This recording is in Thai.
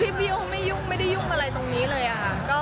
พี่เขาไม่ยุ่งไม่ได้ยุ่งอะไรตรงนี้เลยค่ะ